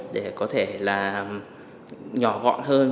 để có thể là nhỏ gọn hơn